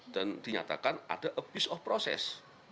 dan dinyatakan ada abyss of process